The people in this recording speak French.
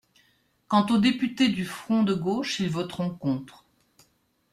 Quant aux députés du Front de gauche, ils voteront contre.